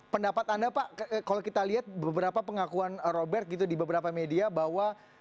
pendapat anda pak kalau kita lihat beberapa pengakuan robert gitu di beberapa media bahwa